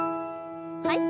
はい。